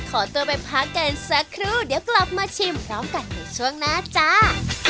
ขอตัวไปพักกันสักครู่เดี๋ยวกลับมาชิมพร้อมกันในช่วงหน้าจ้า